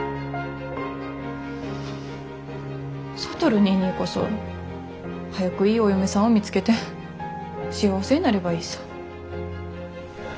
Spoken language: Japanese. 智ニーニーこそ早くいいお嫁さんを見つけて幸せになればいいさ。